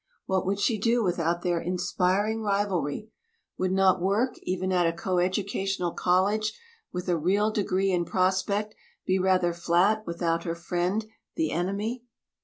What would she do without their inspiring rivalry? Would not work, even at a coeducational college with a real degree in prospect, be rather flat without her friend the enemy?